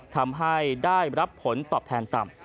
ทำให้ได้รับผลตอบแทนต่ำ